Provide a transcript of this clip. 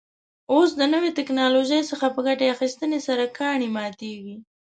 اوس له نوې تکنالوژۍ څخه په ګټې اخیستنې سره کاڼي ماتېږي.